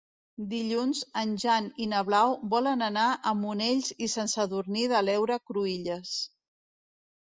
Dilluns en Jan i na Blau volen anar a Monells i Sant Sadurní de l'Heura Cruïlles.